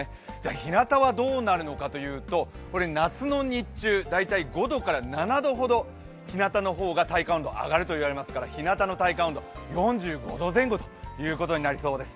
日向はどうなるのかというと夏の日中、大体５度から７度ほどひなたの方が体感温度が上がるといいますから、日なたの体感温度、４５度前後ということになりそうです。